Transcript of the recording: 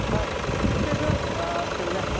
逸平君、来てるね。